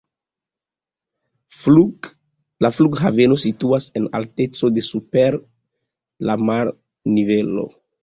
La flughaveno situas en alteco de super la marnivelo.